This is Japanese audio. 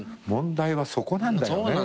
問題はそこなんだよね。